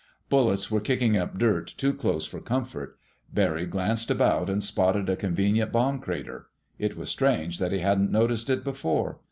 Bullets were kicking up dirt too close for comfort. Barry glanced about and spotted a convenient bomb crater. It was strange that he hadn't noticed it before.